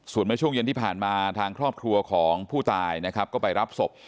ส่วนเมื่อช่วงเย็นที่ผ่านมาทางครอบครัวของผู้ตายนะครับก็ไปรับศพ